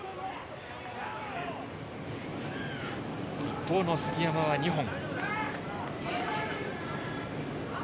一方の杉山は２本。